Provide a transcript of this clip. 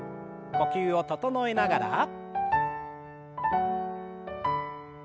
呼吸を整えながら。